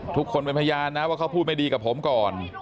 พยานเป็นพยานนะว่าเขาพูดไม่ดีกับผมก่อน